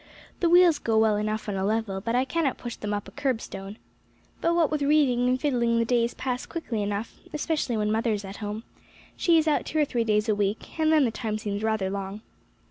The wheels go well enough on a level, but I cannot push them up a curb stone. But what with reading and fiddling the days pass quickly enough, especially when mother is at home; she is out two or three days a week, and then the time seems rather long."